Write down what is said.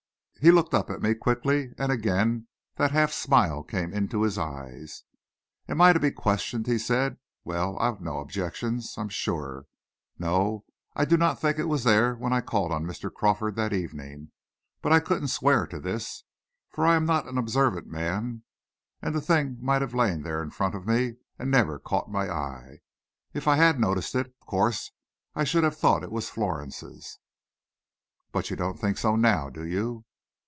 He looked up at me quickly, and again that half smile came into his eyes. "Am I to be questioned?" he said. "Well, I've no objections, I'm sure. No, I do not think it was there when I called on Mr. Crawford that evening. But I couldn't swear to this, for I am not an observant man, and the thing might have lain there in front of me and never caught my eye. If I had noticed it, of course I should have thought it was Florence's." "But you don't think so now, do you?"